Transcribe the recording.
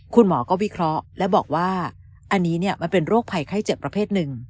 คุณหมอก็วิเคราะห์และบอกว่าอันนี้มันเป็นโรคภัยไข้เจ็บประเภทหนึ่ง